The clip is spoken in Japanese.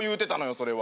それは